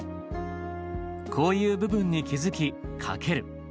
「こういう部分に気付き書ける。